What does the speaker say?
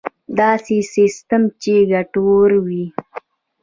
داسې سیستم چې ګټور وي.